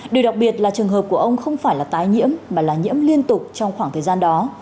điều đặc biệt là trường hợp của ông không phải là tái nhiễm mà là nhiễm liên tục trong khoảng thời gian đó